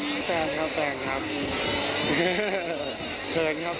ในแรงก็แฟนครับเกิร์ตครับ